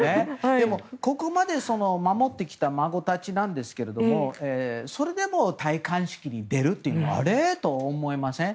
でも、ここまで守ってきた孫たちなんですがそれでも戴冠式に出るというのはあれ？と思いません？